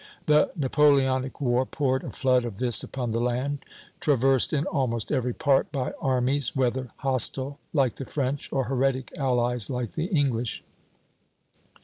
The Napoleonic war poured a flood of this upon the land, traversed in almost every part by armies, whether hostile like the French or heretic allies like the English.